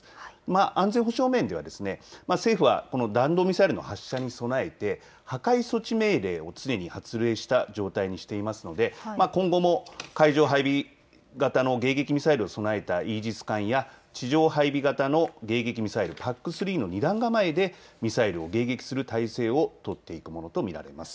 安全保障面では政府はこの弾道ミサイルの発射に備えて破壊措置命令を常に発令した状態にしていますので今後も海上配備型の迎撃ミサイルを備えたイージス艦や地上配備型の迎撃ミサイル、ＰＡＣ３の二段構えでミサイルを迎撃する態勢を取っていくものと見られます。